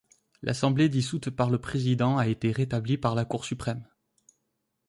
L'Assemblée dissoute par le Président a été rétablie par la Cour suprême.